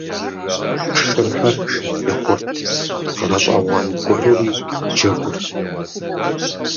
Шырхэр блы хъурт, гъэщӀэгъуэн гуэрури джэгурт.